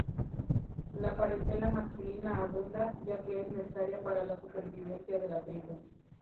La Parentela masculina abunda, ya que es necesaria para la supervivencia de la tribu.